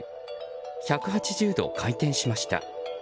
１８０度回転しました。